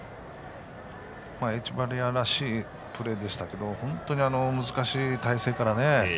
エチェバリアらしいプレーでしたが本当に難しい体勢からね。